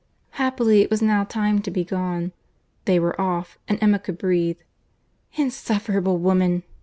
Happily, it was now time to be gone. They were off; and Emma could breathe. "Insufferable woman!"